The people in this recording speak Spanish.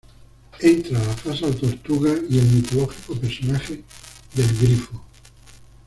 Entra la Falsa Tortuga y el mitológico personaje del Grifo.